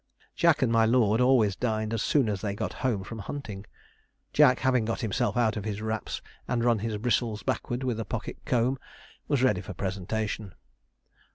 Jack and my lord always dined as soon as they got home from hunting. Jack, having got himself out of his wraps, and run his bristles backwards with a pocket comb, was ready for presentation.